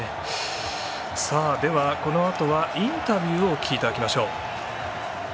このあとはインタビューをお聞きいただきましょう。